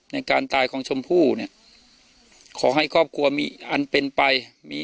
ในการตายของชมพู่เนี่ยขอให้ครอบครัวมีอีกอันเป็นไปมี